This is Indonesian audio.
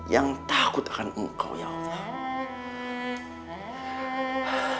yang takut akan engkau ya allah